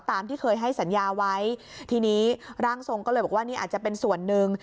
ตามที่เคยให้สัญญาไว้ทีนี้ร่างทรงก็เลยบอกว่านี่อาจจะเป็นส่วนหนึ่ง